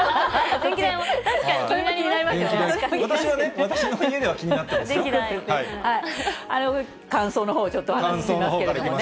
私はね、私の家では気になっ乾燥のほうをちょっとお話しますけどね。